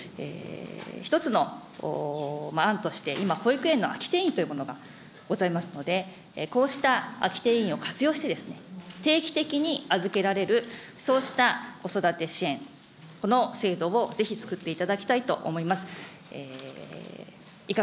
一つの案として今、保育園の空き定員というものがございますので、こうした空き定員を活用して、定期的に預けられるそうした子育て支援、この制度をぜひつくっていただきたいと思います。